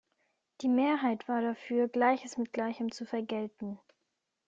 Die Mehrheit war dafür, Gleiches mit Gleichem zu vergelten.